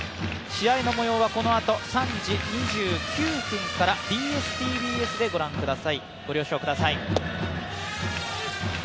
試合のもようはこのあと３時２９分からＢＳ−ＴＢＳでご覧くださいご了承ください。